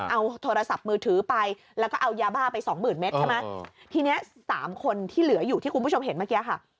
เอาโทรศัพท์มือถือไปแล้วก็เอายาบ้าไปสองหมื่นเมตรใช่ไหมทีเนี้ยสามคนที่เหลืออยู่ที่คุณผู้ชมเห็นเมื่อกี้ค่ะ